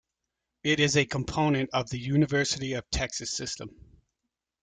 It is a component of the University of Texas System.